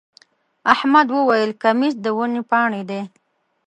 احمد وويل: کمیس د ونې پاڼې دی.